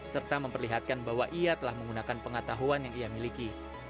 serta memperlihatkan bahwa ia telah menggunakan pengetahuan yang ia miliki